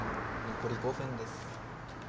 残り５分です。